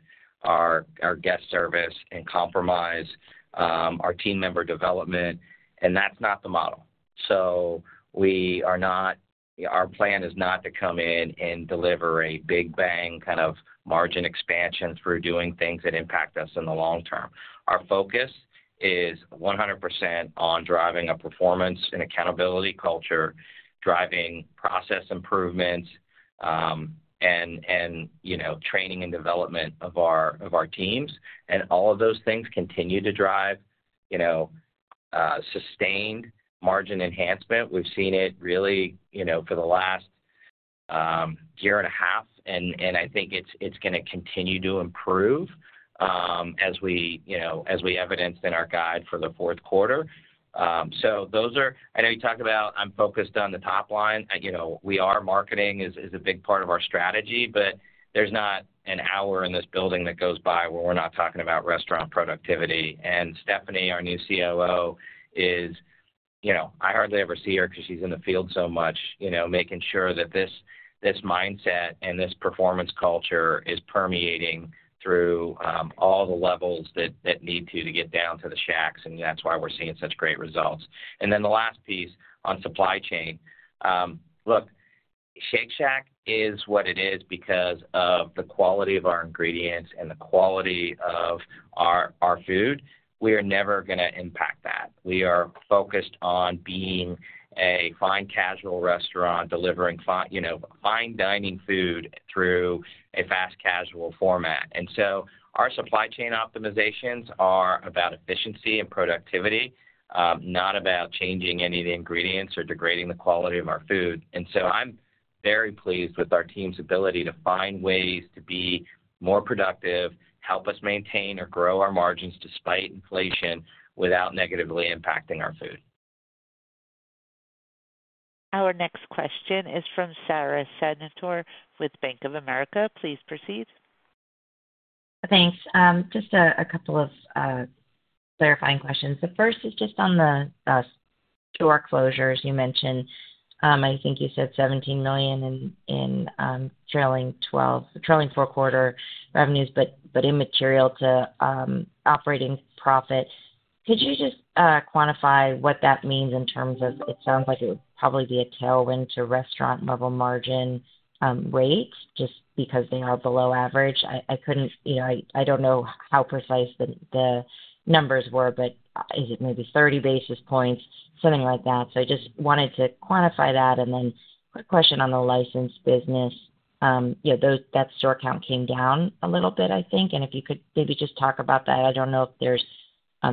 our guest service and compromise our team member development. And that's not the model. So our plan is not to come in and deliver a big bang kind of margin expansion through doing things that impact us in the long term. Our focus is 100% on driving a performance and accountability culture, driving process improvements, and training and development of our teams. And all of those things continue to drive sustained margin enhancement. We've seen it really for the last year and a half. And I think it's going to continue to improve as evidenced in our guide for the fourth quarter. So I know you talked about. I'm focused on the top line. Our marketing is a big part of our strategy. But there's not an hour in this building that goes by where we're not talking about restaurant productivity. And Stephanie, our new COO, I hardly ever see her because she's in the field so much, making sure that this mindset and this performance culture is permeating through all the levels that need to get down to the shacks. And that's why we're seeing such great results. And then the last piece on supply chain. Look, Shake Shack is what it is because of the quality of our ingredients and the quality of our food. We are never going to impact that. We are focused on being a fine casual restaurant delivering fine dining food through a fast casual format. And so our supply chain optimizations are about efficiency and productivity, not about changing any of the ingredients or degrading the quality of our food. And so I'm very pleased with our team's ability to find ways to be more productive, help us maintain or grow our margins despite inflation without negatively impacting our food. Our next question is from Sara Senatore with Bank of America. Please proceed. Thanks. Just a couple of clarifying questions. The first is just on the store closures you mentioned. I think you said $17 million in trailing four-quarter revenues, but immaterial to operating profit. Could you just quantify what that means in terms of it sounds like it would probably be a tailwind to restaurant-level margin rates just because they are below average? I don't know how precise the numbers were, but is it maybe 30 basis points, something like that? So I just wanted to quantify that. And then quick question on the license business. That store count came down a little bit, I think. And if you could maybe just talk about that. I don't know if there's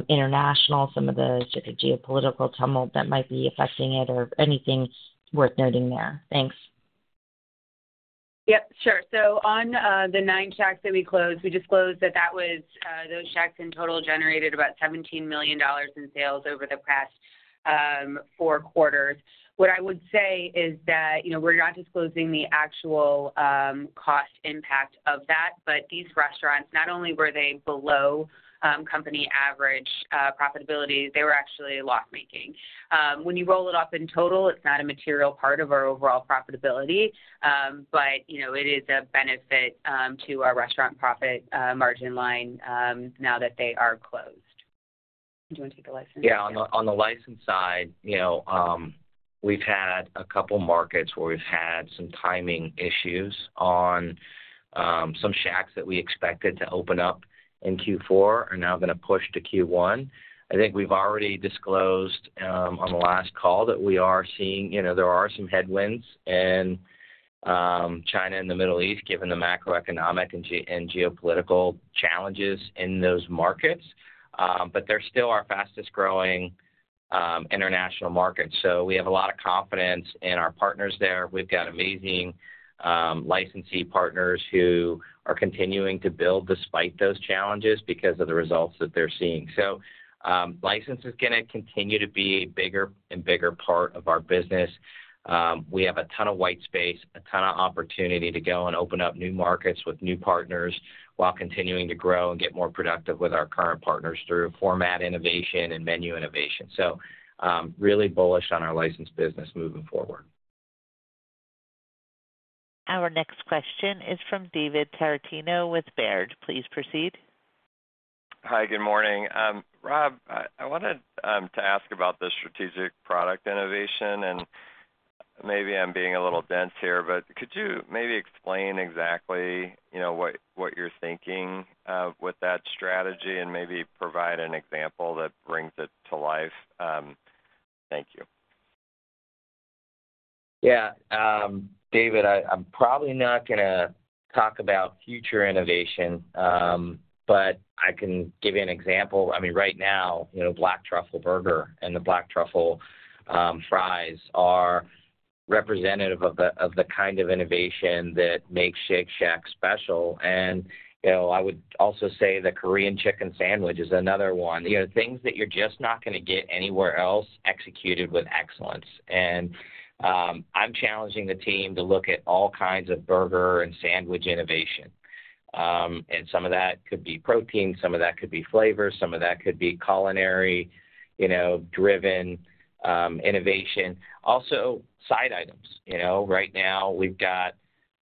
international, some of the geopolitical tumult that might be affecting it or anything worth noting there. Thanks. Yep. Sure. So on the nine shacks that we closed, we disclosed that those shacks in total generated about $17 million in sales over the past four quarters. What I would say is that we're not disclosing the actual cost impact of that. But these restaurants, not only were they below company average profitability, they were actually loss-making. When you roll it up in total, it's not a material part of our overall profitability. But it is a benefit to our restaurant profit margin line now that they are closed. Do you want to take the license? Yeah. On the license side, we've had a couple of markets where we've had some timing issues on some shacks that we expected to open up in Q4 are now going to push to Q1. I think we've already disclosed on the last call that we are seeing there are some headwinds in China and the Middle East, given the macroeconomic and geopolitical challenges in those markets. But they're still our fastest-growing international market. So we have a lot of confidence in our partners there. We've got amazing licensee partners who are continuing to build despite those challenges because of the results that they're seeing, so license is going to continue to be a bigger and bigger part of our business. We have a ton of white space, a ton of opportunity to go and open up new markets with new partners while continuing to grow and get more productive with our current partners through format innovation and menu innovation, so really bullish on our license business moving forward. Our next question is from David Tarantino with Baird. Please proceed. Hi. Good morning. Rob, I wanted to ask about the strategic product innovation, and maybe I'm being a little dense here, but could you maybe explain exactly what you're thinking with that strategy and maybe provide an example that brings it to life? Thank you. Yeah. David, I'm probably not going to talk about future innovation, but I can give you an example. I mean, right now, Black Truffle Burger and the Black Truffle Fries are representative of the kind of innovation that makes Shake Shack special, and I would also say the Korean Chicken Sandwich is another one. Things that you're just not going to get anywhere else executed with excellence, and I'm challenging the team to look at all kinds of burger and sandwich innovation. And some of that could be protein, some of that could be flavor, some of that could be culinary-driven innovation. Also, side items. Right now, we've got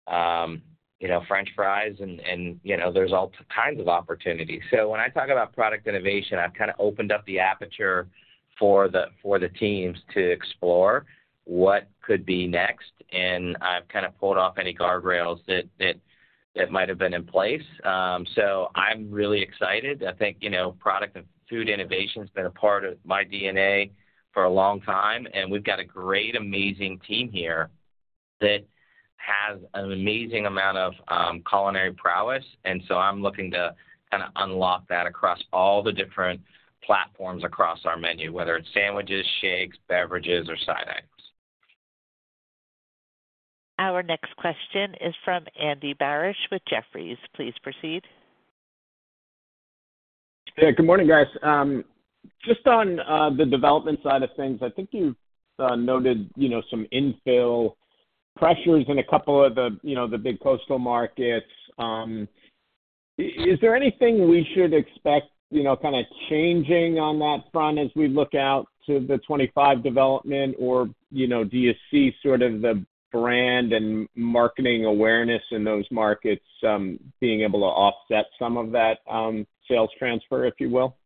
French fries, and there's all kinds of opportunities, so when I talk about product innovation, I've kind of opened up the aperture for the teams to explore what could be next. I've kind of pulled off any guardrails that might have been in place. So I'm really excited. I think product and food innovation has been a part of my DNA for a long time. And we've got a great, amazing team here that has an amazing amount of culinary prowess. And so I'm looking to kind of unlock that across all the different platforms across our menu, whether it's sandwiches, shakes, beverages, or side items. Our next question is from Andy Barish with Jefferies. Please proceed. Yeah. Good morning, guys. Just on the development side of things, I think you've noted some infill pressures in a couple of the big coastal markets. Is there anything we should expect kind of changing on that front as we look out to the 2025 development? Or do you see sort of the brand and marketing awareness in those markets being able to offset some of that sales transfer, if you will?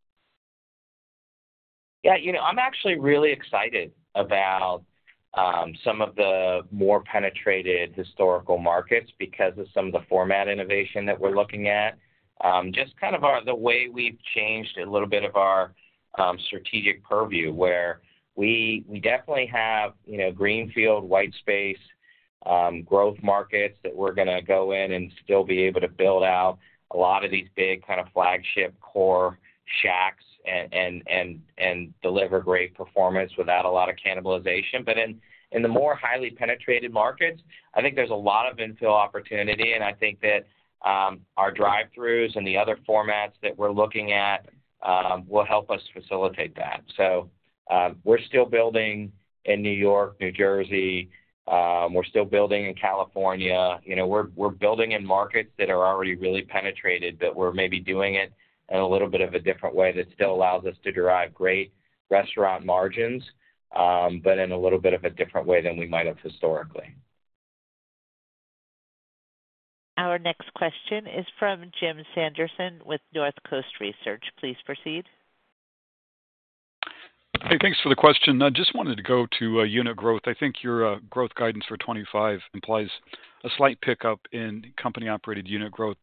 Yeah. I'm actually really excited about some of the more penetrated historical markets because of some of the format innovation that we're looking at. Just kind of the way we've changed a little bit of our strategic purview, where we definitely have greenfield, white space, growth markets that we're going to go in and still be able to build out a lot of these big kind of flagship core shacks and deliver great performance without a lot of cannibalization. But in the more highly penetrated markets, I think there's a lot of infill opportunity. And I think that our drive-throughs and the other formats that we're looking at will help us facilitate that. So we're still building in New York, New Jersey. We're still building in California. We're building in markets that are already really penetrated, but we're maybe doing it in a little bit of a different way that still allows us to derive great restaurant margins, but in a little bit of a different way than we might have historically. Our next question is from Jim Sanderson with North Coast Research. Please proceed. Hey, thanks for the question. I just wanted to go to unit growth. I think your growth guidance for 2025 implies a slight pickup in company-operated unit growth.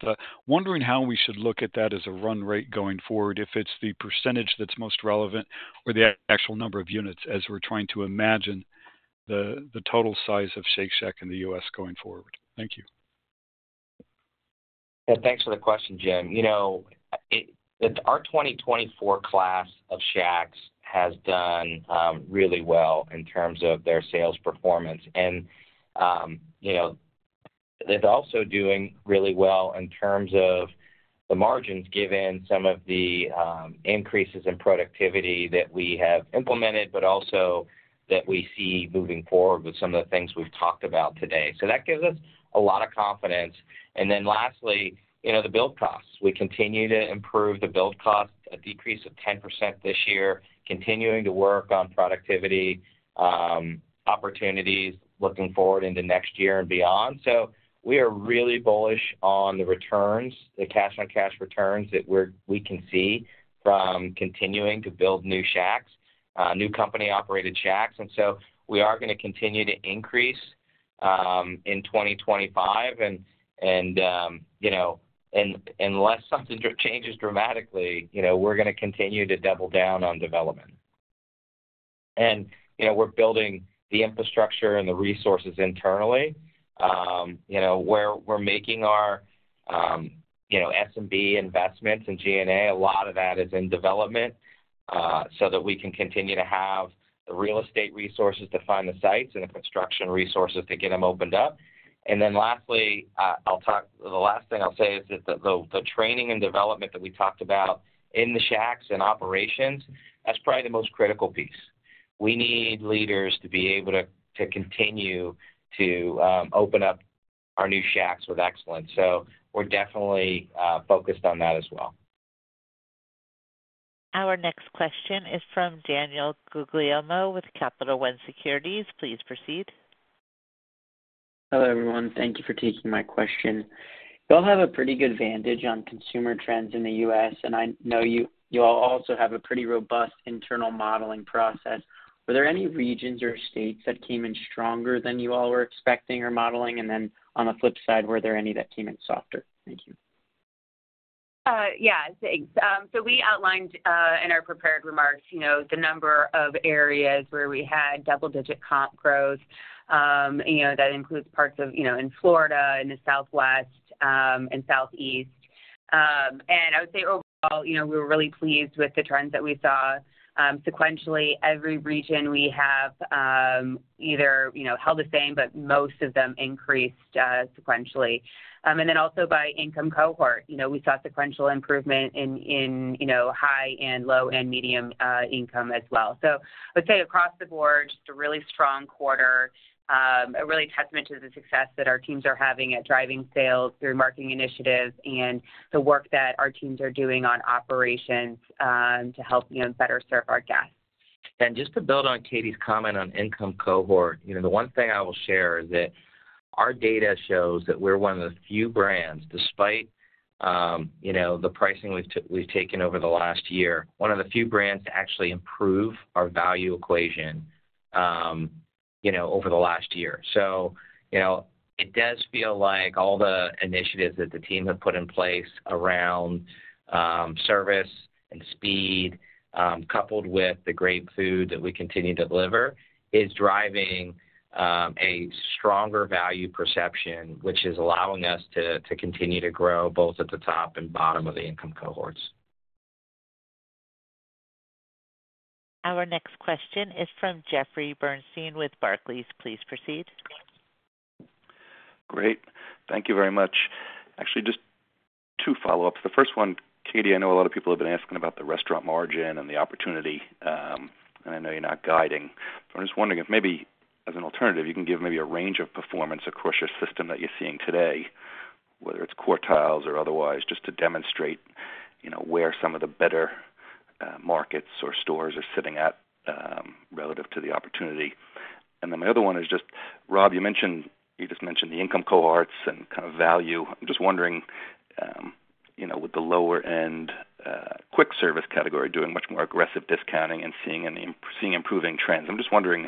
Wondering how we should look at that as a run rate going forward, if it's the percentage that's most relevant or the actual number of units as we're trying to imagine the total size of Shake Shack in the U.S. going forward. Thank you. Yeah. Thanks for the question, Jim. Our 2024 class of shacks has done really well in terms of their sales performance, and they're also doing really well in terms of the margins, given some of the increases in productivity that we have implemented, but also that we see moving forward with some of the things we've talked about today, so that gives us a lot of confidence and then lastly, the build costs. We continue to improve the build cost, a decrease of 10% this year, continuing to work on productivity opportunities looking forward into next year and beyond, so we are really bullish on the returns, the cash-on-cash returns that we can see from continuing to build new shacks, new company-operated shacks, and so we are going to continue to increase in 2025. And unless something changes dramatically, we're going to continue to double down on development. And we're building the infrastructure and the resources internally. We're making our S&B investments in G&A. A lot of that is in development so that we can continue to have the real estate resources to find the sites and the construction resources to get them opened up. And then lastly, the last thing I'll say is that the training and development that we talked about in the shacks and operations, that's probably the most critical piece. We need leaders to be able to continue to open up our new shacks with excellence. So we're definitely focused on that as well. Our next question is from Daniel Guglielmo with Capital One Securities. Please proceed. Hello, everyone. Thank you for taking my question. You all have a pretty good vantage on consumer trends in the U.S. And I know you all also have a pretty robust internal modeling process. Were there any regions or states that came in stronger than you all were expecting or modeling? And then on the flip side, were there any that came in softer? Thank you. Yeah. So we outlined in our prepared remarks the number of areas where we had double-digit comp growth. That includes parts in Florida, in the Southwest, and Southeast. And I would say overall, we were really pleased with the trends that we saw. Sequentially, every region we have either held the same, but most of them increased sequentially. And then also by income cohort, we saw sequential improvement in high and low and medium income as well. So, I would say across the board, just a really strong quarter, a really testament to the success that our teams are having at driving sales through marketing initiatives and the work that our teams are doing on operations to help better serve our guests. And just to build on Katie's comment on income cohort, the one thing I will share is that our data shows that we're one of the few brands, despite the pricing we've taken over the last year, one of the few brands to actually improve our value equation over the last year. So it does feel like all the initiatives that the team have put in place around service and speed, coupled with the great food that we continue to deliver, is driving a stronger value perception, which is allowing us to continue to grow both at the top and bottom of the income cohorts. Our next question is from Jeffrey Bernstein with Barclays. Please proceed. Great. Thank you very much. Actually, just two follow-ups. The first one, Katie, I know a lot of people have been asking about the restaurant margin and the opportunity. And I know you're not guiding. But I'm just wondering if maybe, as an alternative, you can give maybe a range of performance across your system that you're seeing today, whether it's quartiles or otherwise, just to demonstrate where some of the better markets or stores are sitting at relative to the opportunity. And then my other one is just, Rob, you just mentioned the income cohorts and kind of value. I'm just wondering, with the lower-end quick-service category doing much more aggressive discounting and seeing improving trends. I'm just wondering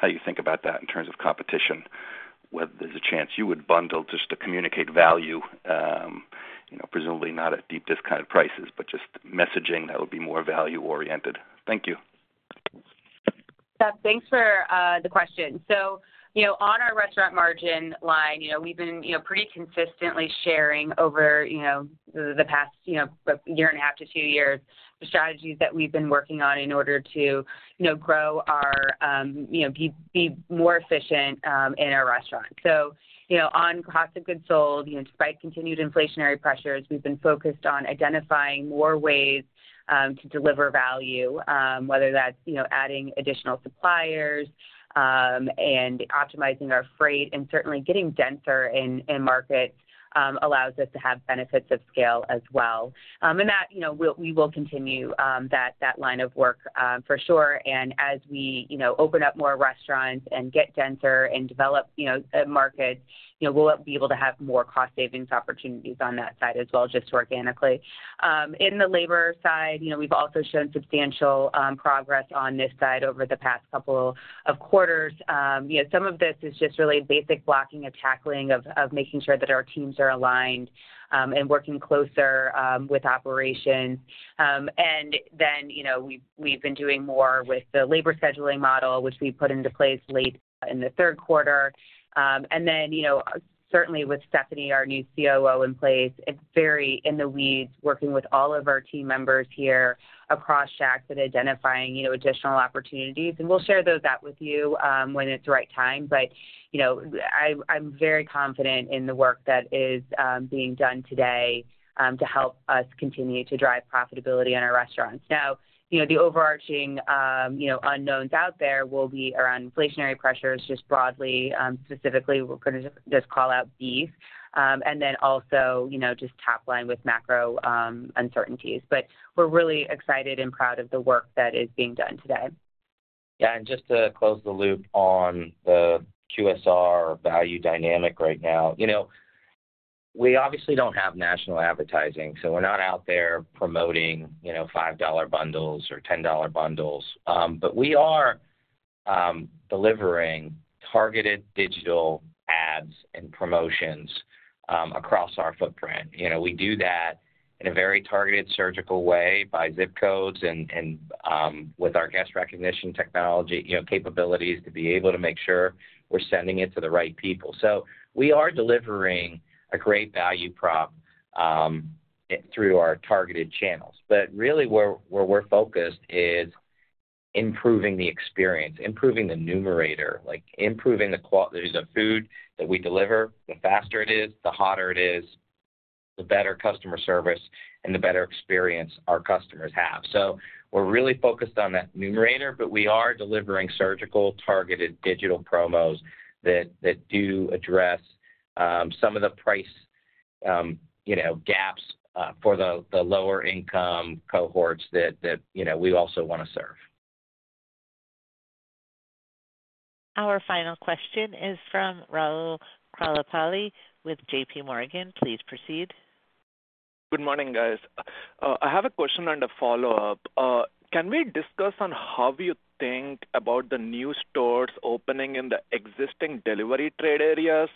how you think about that in terms of competition, whether there's a chance you would bundle just to communicate value, presumably not at deep discounted prices, but just messaging that would be more value-oriented. Thank you. Thanks for the question. On our restaurant margin line, we've been pretty consistently sharing over the past year and a half to two years the strategies that we've been working on in order to grow to be more efficient in our restaurant. On cost of goods sold, despite continued inflationary pressures, we've been focused on identifying more ways to deliver value, whether that's adding additional suppliers and optimizing our freight. Certainly, getting denser in markets allows us to have benefits of scale as well. And we will continue that line of work for sure. And as we open up more restaurants and get denser and develop markets, we'll be able to have more cost-savings opportunities on that side as well, just organically. In the labor side, we've also shown substantial progress on this side over the past couple of quarters. Some of this is just really basic blocking and tackling of making sure that our teams are aligned and working closer with operations. And then we've been doing more with the labor scheduling model, which we put into place late in the third quarter. And then certainly with Stephanie, our new COO, in place, very in the weeds, working with all of our team members here across shacks and identifying additional opportunities. And we'll share those out with you when it's the right time. But I'm very confident in the work that is being done today to help us continue to drive profitability in our restaurants. Now, the overarching unknowns out there will be around inflationary pressures just broadly. Specifically, we're going to just call out beef. And then also just top line with macro uncertainties. But we're really excited and proud of the work that is being done today. Yeah. And just to close the loop on the QSR value dynamic right now, we obviously don't have national advertising. So we're not out there promoting $5 bundles or $10 bundles. But we are delivering targeted digital ads and promotions across our footprint. We do that in a very targeted surgical way by zip codes and with our guest recognition technology capabilities to be able to make sure we're sending it to the right people. So we are delivering a great value prop through our targeted channels. But really, where we're focused is improving the experience, improving the numerator, improving the quality of the food that we deliver. The faster it is, the hotter it is, the better customer service, and the better experience our customers have. So we're really focused on that numerator. But we are delivering surgical targeted digital promos that do address some of the price gaps for the lower-income cohorts that we also want to serve. Our final question is from Rahul Krotthapalli with JPMorgan. Please proceed. Good morning, guys. I have a question and a follow-up. Can we discuss on how you think about the new stores opening in the existing delivery trade areas?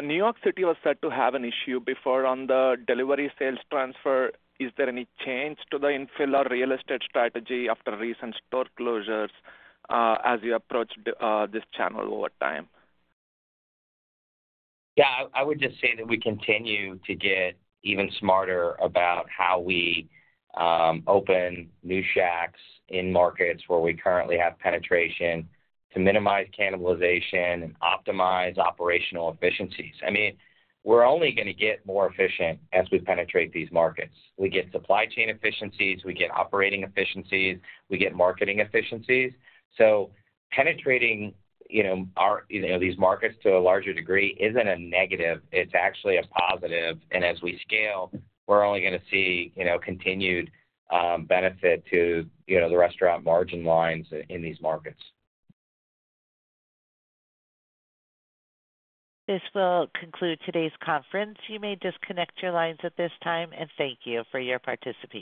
New York City was said to have an issue before on the delivery sales transfer. Is there any change to the infill or real estate strategy after recent store closures as you approach this channel over time? Yeah. I would just say that we continue to get even smarter about how we open new shacks in markets where we currently have penetration to minimize cannibalization and optimize operational efficiencies. I mean, we're only going to get more efficient as we penetrate these markets. We get supply chain efficiencies. We get operating efficiencies. We get marketing efficiencies. So penetrating these markets to a larger degree isn't a negative. It's actually a positive. And as we scale, we're only going to see continued benefit to the restaurant margin lines in these markets. This will conclude today's conference. You may disconnect your lines at this time. And thank you for your participation.